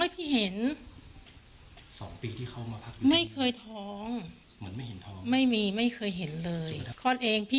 เช้า๗โมง๔๕